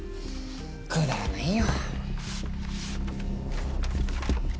くだらないよ。